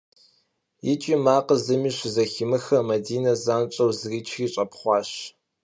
Yi ç'iy makhır zımi şızeximıxım, Madine zanş'eu zriçri ş'epxhuaş.